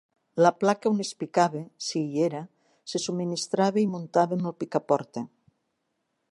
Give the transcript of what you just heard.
La placa on es picava, si hi era, se subministrava i muntava amb el picaporta.